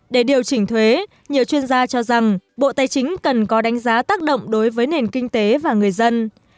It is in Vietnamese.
để điều chỉnh thuế nhiều chuyên gia cho rằng bộ tài chính cần có đánh giá tác động đối với nền kinh tế và người dân